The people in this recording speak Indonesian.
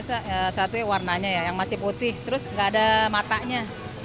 saya biasa satu ya warnanya ya yang masih putih terus gak ada matanya